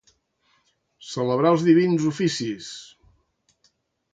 Celebrar els divins oficis.